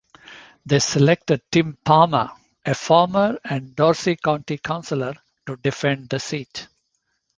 They selected Tim Palmer, a farmer and Dorset County Councillor, to defend the seat.